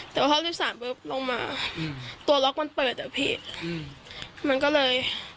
แต่ว่าเถอะรีฟสามบึบลงมาตัวล็อกมันเปิดอ่ะพี่มันก็เลย